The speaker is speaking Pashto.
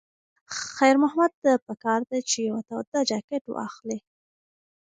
خیر محمد ته پکار ده چې یوه توده جاکټ واخلي.